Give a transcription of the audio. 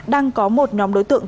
đang có một nhóm đối tượng